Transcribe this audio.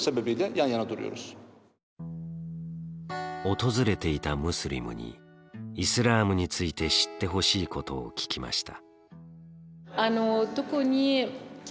訪れていたムスリムにイスラームについて知ってほしいことを聞きました。